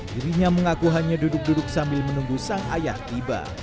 dirinya mengaku hanya duduk duduk sambil menunggu sang ayah tiba